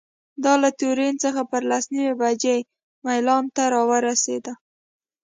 دا له تورین څخه پر لس نیمې بجې میلان ته رارسېده.